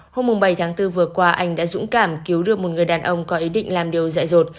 hôm bảy tháng bốn vừa qua anh đã dũng cảm cứu được một người đàn ông có ý định làm điều dạy rột